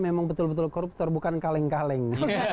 memang betul betul koruptor bukan kaleng kaleng